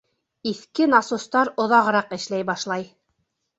Иҫке насостар оҙағыраҡ эшләй башлай.